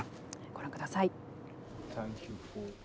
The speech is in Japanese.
ご覧ください。